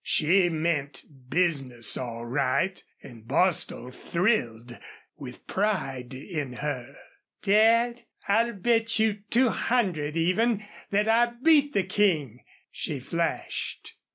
She meant business, all right, and Bostil thrilled with pride in her. "Dad, I'll bet you two hundred, even, that I beat the King!" she flashed.